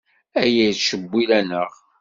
Aya yettcewwil-aneɣ.